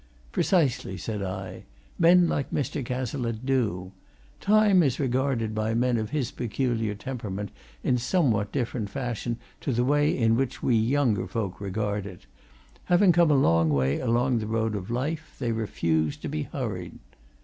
"Precisely," said I. "Men like Mr. Cazalette do. Time is regarded by men of his peculiar temperament in somewhat different fashion to the way in which we younger folk regard it having come a long way along the road of life, they refuse to be hurried.